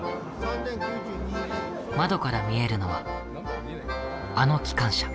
窓から見えるのはあの機関車。